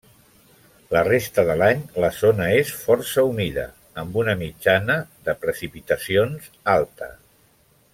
La resta de l'any, la zona és força humida, amb una mitjana de precipitacions alta.